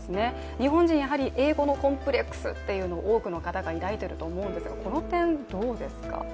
日本人、やはり英語のコンプレックスというのを多くの方が抱いていると思うんですがこの点、どうですか？